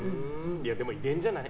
でも、遺伝じゃない？